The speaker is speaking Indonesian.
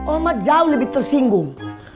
oma jauh lebih tersinggung